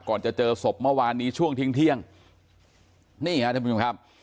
ก่อนจะเจอศพเมื่อวานนี้ช่วงทิ้งเที่ยงนี่ครับท่านผู้ชมครับ